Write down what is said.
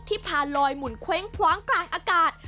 พาลอยหมุนเว้งคว้างกลางอากาศ